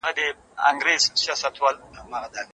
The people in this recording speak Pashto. آیا هنر تر ساینس ازاد دی؟